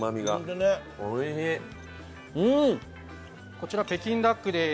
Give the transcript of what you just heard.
こちら北京ダックです。